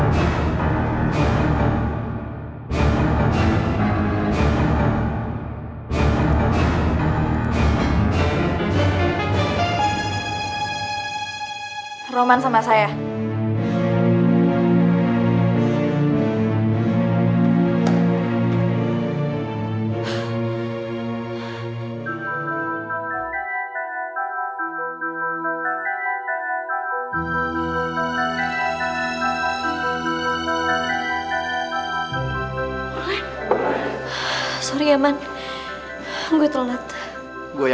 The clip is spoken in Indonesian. kau disana terbaring nyata